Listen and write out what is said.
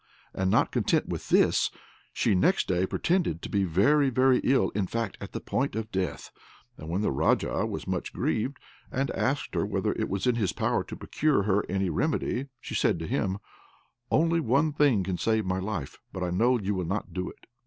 And not content with this, she next day pretended to be very, very ill in fact, at the point of death and when the Raja was much grieved, and asked her whether it was in his power to procure her any remedy, she said to him: "Only one thing can save my life, but I know you will not do it."